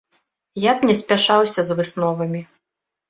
Я б не спяшаўся з высновамі.